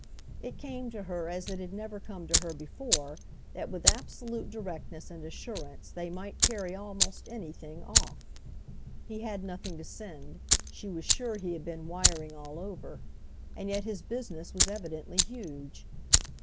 It came to her as it had never come to her before that with absolute directness and assurance they might carry almost anything off. He had nothing to send—she was sure he had been wiring all over—and yet his business was evidently huge.